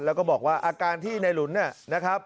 แล้วก็บอกว่าอาการที่ในหลุนนะครับ